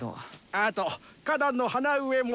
あと花壇の花植えも。